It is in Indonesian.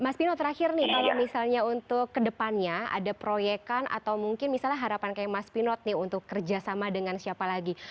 mas pino terakhir nih kalau misalnya untuk kedepannya ada proyekan atau mungkin misalnya harapan kayak mas pinot nih untuk kerjasama dengan siapa lagi